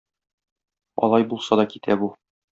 Алай булса да китә бу.